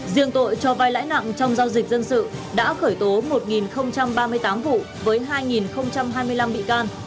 riêng tội cho vai lãi nặng trong giao dịch dân sự đã khởi tố một ba mươi tám vụ với hai hai mươi năm bị can